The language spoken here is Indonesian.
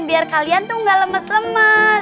biar kalian tuh gak lemes lemes